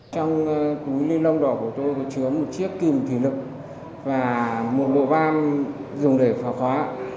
trong túi liên long đỏ của tôi chứa một chiếc kìm thủy lực và một bộ van dùng để phá khóa